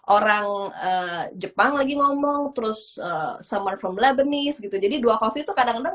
orang jepang lagi ngomong terus summer from bleabinies gitu jadi dua coffee itu kadang kadang